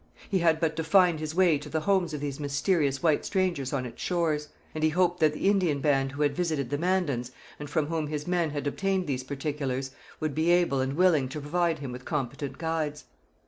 He had but to find his way to the homes of these mysterious white strangers on its shores; and he hoped that the Indian band who had visited the Mandans, and from whom his men had obtained these particulars, would be able and willing to provide him with competent guides.